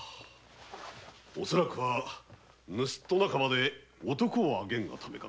恐らくぬすっと仲間で男をあげんがためかと。